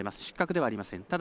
失格ではありません。